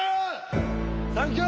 サンキュー！